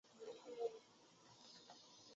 vosotras habríais vivido